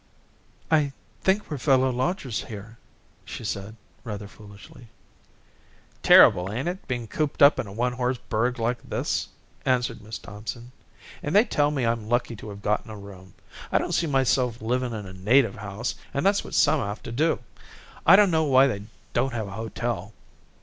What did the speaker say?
"I think we're fellow lodgers here," she said, rather foolishly. "Terrible, ain't it, bein' cooped up in a one horse burg like this?" answered Miss Thompson. "And they tell me I'm lucky to have gotten a room. I don't see myself livin' in a native house, and that's what some have to do. I don't know why they don't have a hotel."